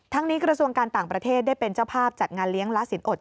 นี้กระทรวงการต่างประเทศได้เป็นเจ้าภาพจัดงานเลี้ยงละสินอด